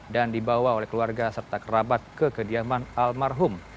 dan dibawa oleh keluarga serta kerabat ke kediaman almarhum